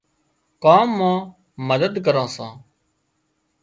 ڪام مان مدد ڪران سان